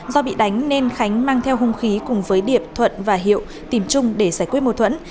do bị đánh nên khánh mang theo hung khí cùng với điệp thuận và hiệu tìm chung để giải quyết mâu thuẫn